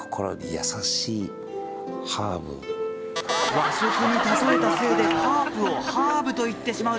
和食に例えたせいで「ハープ」を「ハーブ」と言ってしまう